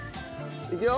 いくよ。